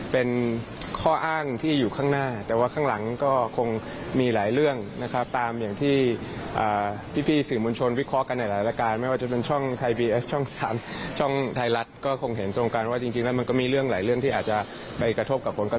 ภาคก้าวไกลต้องการที่จะให้ทหารออกจากการเมืองให้ได้